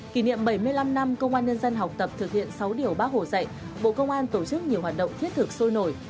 kỷ niệm bảy mươi năm năm công an nhân dân học tập thực hiện sáu điều bác hồ dạy bộ công an tổ chức nhiều hoạt động thiết thực sôi nổi